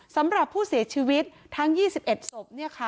สำหรับผู้เสียชีวิตทั้ง๒๑ศพ